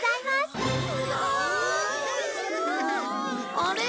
あれ？